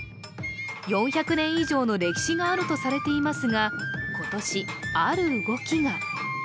４００年以上の歴史があるとされていますが、今年、ある動きが。